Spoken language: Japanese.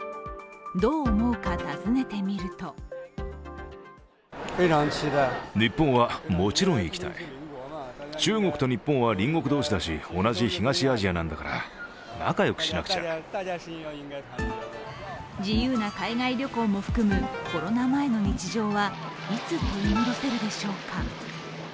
どう思うか尋ねてみると自由な海外旅行も含むコロナ前の日常はいつ取り戻せるでしょうか。